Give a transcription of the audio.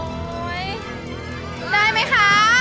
ได้มั้ยคะ